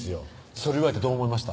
それ言われてどう思いました？